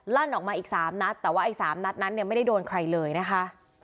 ลั่นออกมาอีกสามนัดแต่ว่าไอ้สามนัดนั้นเนี่ยไม่ได้โดนใครเลยนะคะ